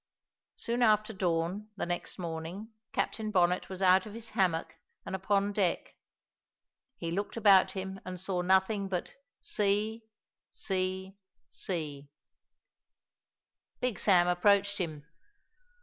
Soon after dawn the next morning Captain Bonnet was out of his hammock and upon deck. He looked about him and saw nothing but sea, sea, sea. Big Sam approached him.